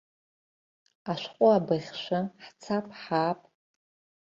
Ашәҟәыабыӷьшәы, ҳцап, ҳаап.